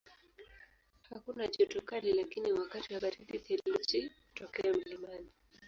Hakuna joto kali lakini wakati wa baridi theluji hutokea mlimani.